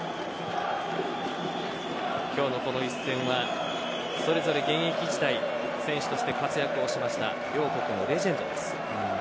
今日のこの一戦はそれぞれ現役時代選手として活躍をしました両国のレジェンドです。